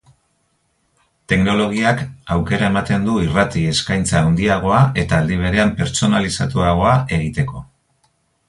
Teknologiak aukera ematen du irrati-eskaintza handiagoa eta, aldi berean, pertsonalizatuagoa egiteko.